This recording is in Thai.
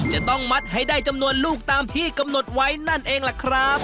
จะต้องมัดให้ได้จำนวนลูกตามที่กำหนดไว้นั่นเองล่ะครับ